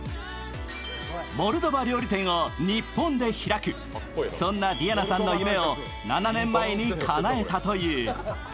モルドバ料理店を日本で開く、そんなディアナさんの夢を７年前にかなえたという。